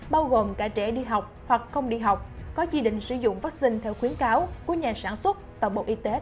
bao gồm cả trẻ đi học hoặc không đi học có chỉ định sử dụng vaccine theo khuyến cáo của nhà sản xuất và bộ y tế